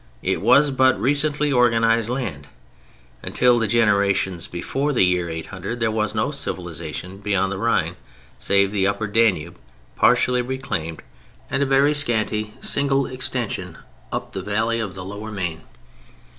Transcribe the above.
It was but recently organized land. Until the generations before the year 800 there was no civilization beyond the Rhine save the upper Danube partially reclaimed, and a very scanty single extension up the valley of the Lower Main.